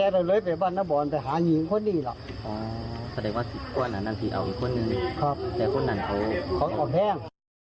แต่คนนั่นโทรของอ๋อแพง